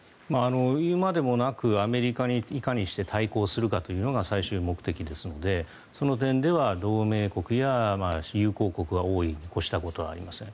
言うまでもなくアメリカにいかにして対抗するかというのが最終目的ですのでその点では同盟国や友好国が多いに越したことはありません。